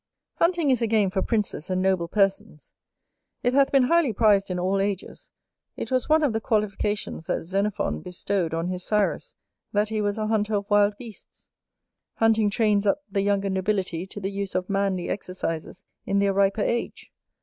Hunting is a game for princes and noble persons; it hath been highly prized in all ages; it was one of the qualifications that Xenophon bestowed on his Cyrus, that he was a hunter of wild beasts. Hunting trains up the younger nobility to the use of manly exercises in their riper age.